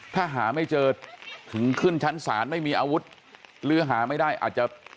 ถ้าหาไม่เจอถึงขึ้นชั้นศาลไม่มีอาวุธหรือหาไม่ได้อาจจะ